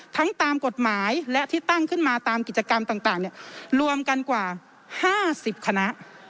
ตามกฎหมายและที่ตั้งขึ้นมาตามกิจกรรมต่างรวมกันกว่า๕๐คณะ